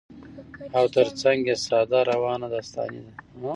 او تر څنګ يې ساده، روانه داستاني ده